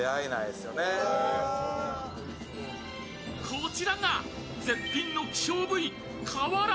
こちらが絶品の希少部位、カワラ。